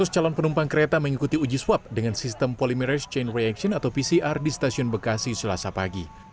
lima ratus calon penumpang kereta mengikuti uji swab dengan sistem polymerage chain reaction atau pcr di stasiun bekasi selasa pagi